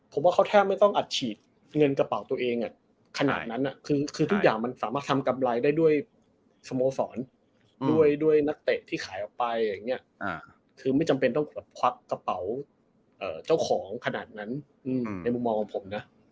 ผมว่าเขาแทบไม่ต้องอัดฉีดเงินกระเป๋าตัวเองขนาดนั้นคือทุกอย่างมันสามารถทำกำไรได้ด้วยสโมสรด้วยนักเตะที่ขายออกไปอย่างนี้คือไม่จำเป็นต้องควักกระเป๋าเจ้าของขนาดนั้นในมุมมองของผมนะ